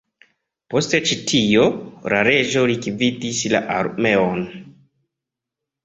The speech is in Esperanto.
Post ĉi tio, la reĝo likvidis la armeon.